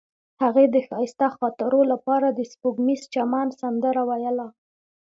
هغې د ښایسته خاطرو لپاره د سپوږمیز چمن سندره ویله.